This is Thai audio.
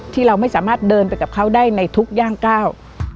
ที่เราไม่สามารถเดินไปกับเขาได้ในทุกย่างก้าว